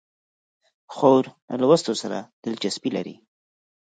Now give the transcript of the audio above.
خور له لوستو سره دلچسپي لري.